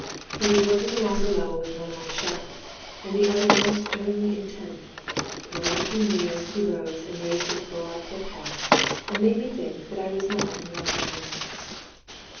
He was looking along the level with one eye shut, and the other most sternly intent; but when I came near he rose and raised his broad pith hat, and made me think that I was not interrupting him.